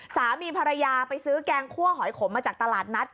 สามีภรรยาไปซื้อแกงคั่วหอยขมมาจากตลาดนัด